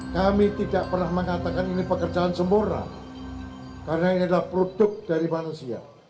kami tidak pernah mengatakan ini pekerjaan sempurna karena ini adalah produk dari manusia